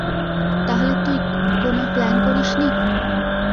তাহলে তুই কোন প্ল্যান করিসনি?